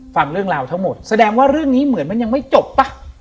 ฟังเรื่องราวทั้งหมดแสดงว่าเรื่องนี้เหมือนมันยังไม่จบป่ะ